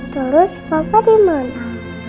terus papa dimana